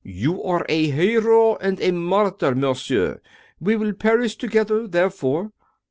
" You are a hero and a martyr, monsieur ! We will perish together, therefore."